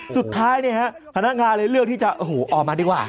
สุดท้ายเนี่ยฮะพนักงานเลยเลือกที่จะโอ้โหออกมาดีกว่า